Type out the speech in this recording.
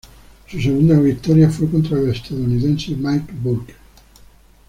Su segunda victoria fue contra el estadounidense Mike Bourke.